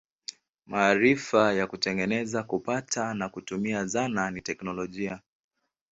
Maarifa ya kutengeneza, kupata na kutumia zana ni teknolojia.